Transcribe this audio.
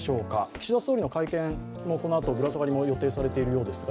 岸田総理の会見、このあとぶら下がりも予定されているそうです。